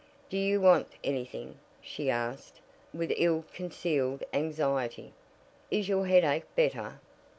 "Do you want anything?" she asked, with ill concealed anxiety. "Is your headache better?"